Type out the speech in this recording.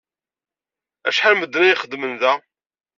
Acḥal n medden ay ixeddmen da?